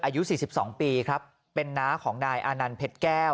อายุสี่สิบสองปีครับเป็นนะของนายอนัลเผ็ดแก้ว